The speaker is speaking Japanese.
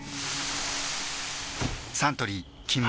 サントリー「金麦」